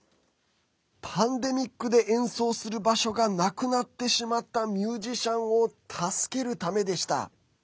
パンデミックで、演奏する場所がなくなってしまったミュージシャンを助けるためでした。